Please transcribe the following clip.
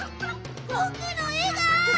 ぼくのえが！